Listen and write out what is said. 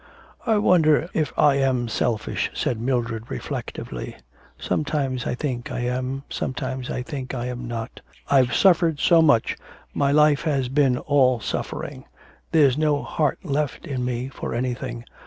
'I wonder if I am selfish?' said Mildred reflectively. 'Sometimes I think I am, sometimes I think I am not. I've suffered so much, my life has been all suffering. There's no heart left in me for anything.